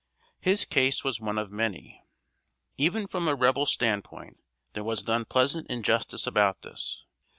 His case was one of many. Even from a Rebel standpoint, there was an unpleasant injustice about this.